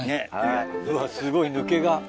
うわすごい抜けが。